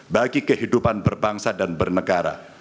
bagi kehidupan berbangsa dan bernegara